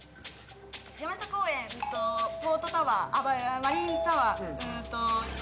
「山下公園ポートタワーマリンタワー」